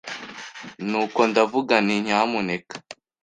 Nuko ndavuga nti Nyamuneka